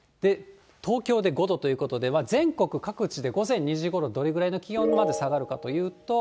東京で５度ということで、全国各地で午前２時ごろ、どれぐらいの気温まで下がるかというと。